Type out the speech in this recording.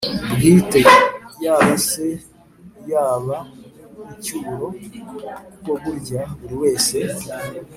bwite, yaba se iy'abe (incyuro), kuko burya buri wese